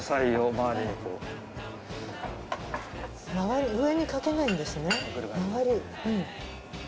周り上にかけないんですね。